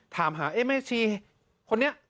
ถามหาเอ๊ะแม่ชี